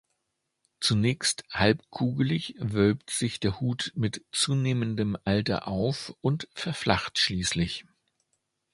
Zunächst halbkugelig wölbt sich der Hut mit zunehmendem Alter auf und verflacht schließlich.